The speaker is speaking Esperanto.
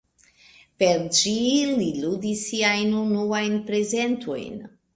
Per ĝi li ludis siajn unuajn prezentojn.